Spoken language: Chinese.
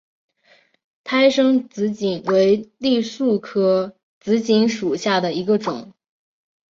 胎生紫堇为罂粟科紫堇属下的一个种。